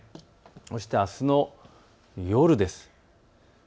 そして、あすの夜です。